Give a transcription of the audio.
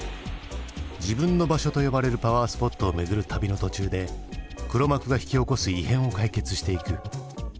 自分の場所と呼ばれるパワースポットを巡る旅の途中で黒幕が引き起こす異変を解決していく。